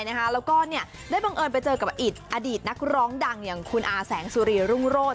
แล้วก็ได้บังเอิญไปเจอกับอิตอดีตนักร้องดังอย่างคุณอาแสงสุรีรุ่งโรศ